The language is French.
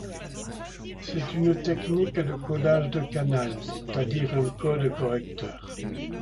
C'est une technique de codage de canal, c'est-à-dire un code correcteur.